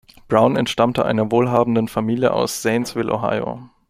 Brown entstammte einer wohlhabenden Familie aus Zanesville, Ohio.